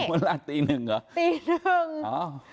เวลาตีหนึ่งเหรอตีหนึ่งอ้าว